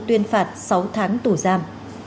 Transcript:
tuyên phạt sáu tháng tù giam